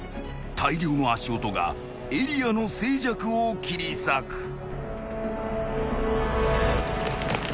［大量の足音がエリアの静寂を切り裂く］